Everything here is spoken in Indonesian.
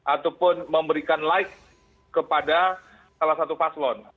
ataupun memberikan like kepada salah satu paslon